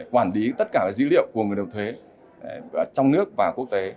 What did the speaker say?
quản lý tất cả các dữ liệu của người nộp thuế trong nước và quốc tế